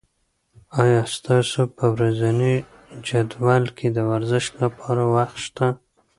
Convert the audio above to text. آیا ستاسو په ورځني جدول کې د ورزش لپاره وخت شته؟